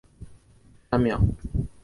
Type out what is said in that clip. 山蓼为蓼科山蓼属下的一个种。